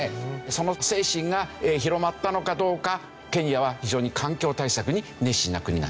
その精神が広まったのかどうかケニアは非常に環境対策に熱心な国なんですね。